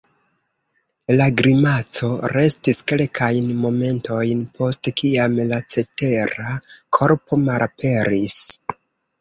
La grimaco restis kelkajn momentojn post kiam la cetera korpo malaperis.